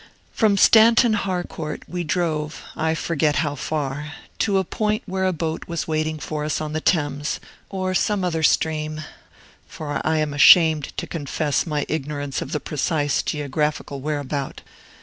From Stanton Harcourt we drove I forget how far to a point where a boat was waiting for us upon the Thames, or some other stream; for I am ashamed to confess my ignorance of the precise geographical whereabout.